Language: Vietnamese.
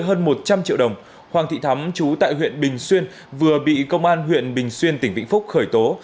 hơn một trăm linh triệu đồng hoàng thị thắm chú tại huyện bình xuyên vừa bị công an huyện bình xuyên tỉnh vĩnh phúc khởi tố